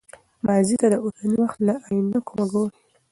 ماضي ته د اوسني وخت له عینکو مه ګورئ.